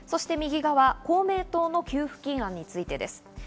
公明党の給付金案についてです。